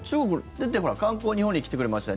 だって、観光で日本に来てくれました